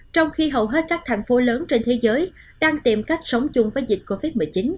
trong khi hầu hết các thành phố lớn trên thế giới đang tìm cách sống chung với dịch covid một mươi chín